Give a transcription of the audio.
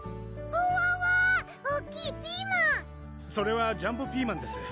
ほわわ大っきいピーマンそれはジャンボピーマンです